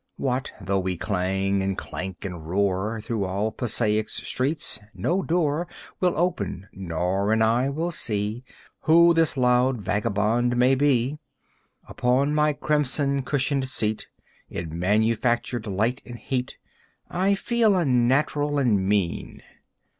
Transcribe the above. What though we clang and clank and roar Through all Passaic's streets? No door Will open, not an eye will see Who this loud vagabond may be. Upon my crimson cushioned seat, In manufactured light and heat, I feel unnatural and mean.